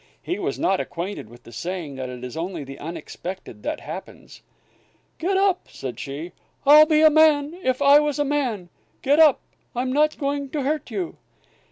He was not acquainted with the saying that it is only the unexpected that happens. "Get up," said she. "I'd be a man if I was a man. Get up. I'm not going to hurt you."